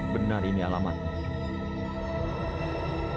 benar ini alamatnya